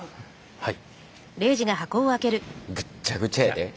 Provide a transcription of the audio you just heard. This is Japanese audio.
はい！